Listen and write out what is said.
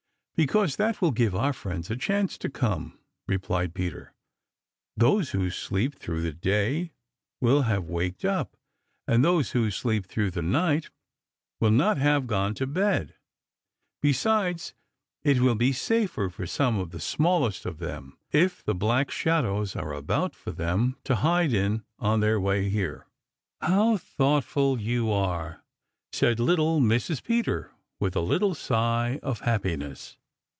"Because that will give all our friends a chance to come," replied Peter. "Those who sleep through the day will have waked up, and those who sleep through the night will not have gone to bed. Besides, it will be safer for some of the smallest of them if the Black Shadows are about for them to hide in on their way here." "How thoughtful you are," said little Mrs. Peter with a little sigh of happiness.